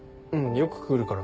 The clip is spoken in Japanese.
よく来るから。